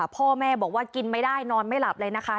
พ่อแม่บอกว่ากินไม่ได้นอนไม่หลับเลยนะคะ